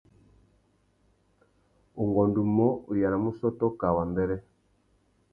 Ungôndômô, u yānamú ussôtô kā wambêrê.